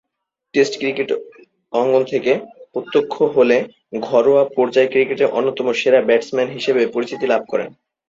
Test cricket অঙ্গন থেকে প্রত্যাখ্যাত হলে ঘরোয়া পর্যায়ের ক্রিকেটে অন্যতম সেরা ব্যাটসম্যান হিসেবে পরিচিতি লাভ করেন।